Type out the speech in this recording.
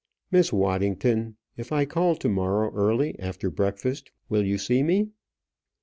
"Miss Waddington, if I call to morrow, early after breakfast, will you see me?"